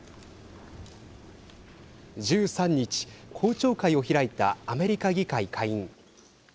１３日、公聴会を開いたアメリカ議会下院。